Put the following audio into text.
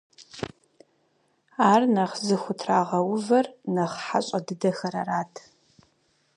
Ар нэхъ зыхутрагъэувэр нэхъ хьэщӀэ дыдэхэр арат.